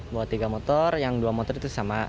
bawa tiga motor yang dua motor itu sama